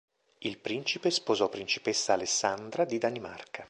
Il principe sposò Principessa Alessandra di Danimarca.